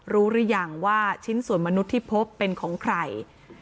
หรือยังว่าชิ้นส่วนมนุษย์ที่พบเป็นของใคร